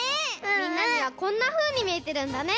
みんなにはこんなふうにみえてるんだね。